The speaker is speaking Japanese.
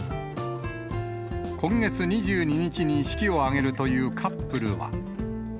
今月２２日に式を挙げるというカップルは。